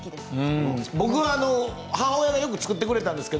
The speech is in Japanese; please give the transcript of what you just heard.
僕は母親が作ってくれました。